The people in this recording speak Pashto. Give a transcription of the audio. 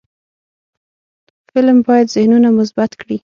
فلم باید ذهنونه مثبت کړي